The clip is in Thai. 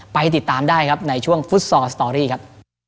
ไปติดตามได้ครับในช่วงฟุตซอลสตอรี่ครับ